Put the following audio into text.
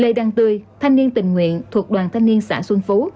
lê đăng tươi thanh niên tình nguyện thuộc đoàn thanh niên xã xuân phú